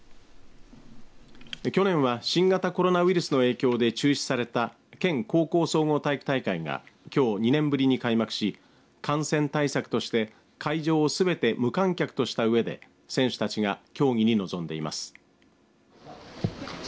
去年は新型コロナウイルスの影響で中止された県高校総合体育大会がきょう２年ぶりに開幕し感染対策として会場をすべて無観客としたうえで選手たちが競技に臨んでいます。